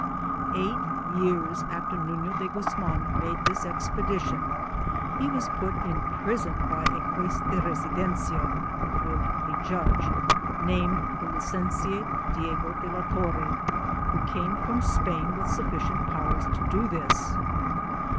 Eight years after Nuflo de Guzman made this expedition, be was put in prison by a juoz de residencia, 1 named the licentiate Diego de la Torre, who came from Spain with sufficient powers to do this.